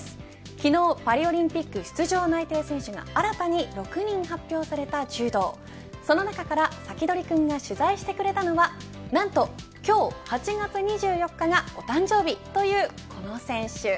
昨日パリオリンピック出場内定選手が新たに６人発表された柔道その中から、サキドリくんが取材してくれたのはなんと今日８月２４日がお誕生日というこの選手。